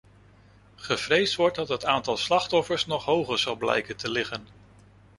Gevreesd wordt dat het aantal slachtoffers nog hoger zal blijken te liggen.